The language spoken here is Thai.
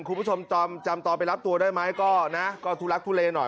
คุณผู้ชมจำตอนไปรับตัวได้ไหมก็นะก็ทุลักทุเลหน่อย